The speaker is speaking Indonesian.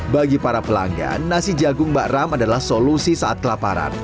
bagi para pelanggan nasi jagung bakram adalah solusi saat kelaparan